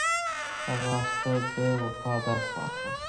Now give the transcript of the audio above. هغه اس ته د وفا درس ورکړ.